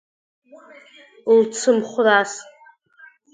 Лцымхәрас…